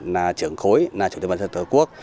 là trưởng khối là chủ tịch mặt trận tổ quốc